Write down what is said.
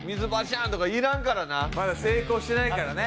まだ成功してないからね。